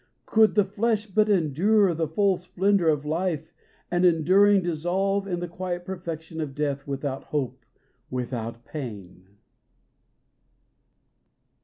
could the flesh but endure the full splendour of life and enduring Dissolve in the quiet perfection of death, without hope, without pain